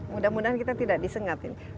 mudah mudahan kita tidak disengat ini